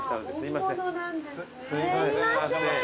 すいません。